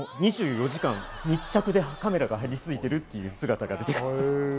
２４時間密着でカメラが張り付いている姿が出てきます。